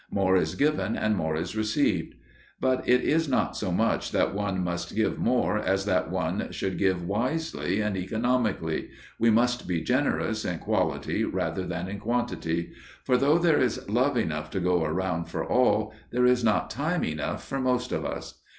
More is given and more is received. But it is not so much that one must give more as that one should give wisely and economically, we must be generous in quality rather than in quantity; for, though there is love enough to go round for all, there is not time enough for most of us.